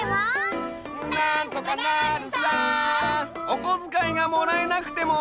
おこづかいがもらえなくても！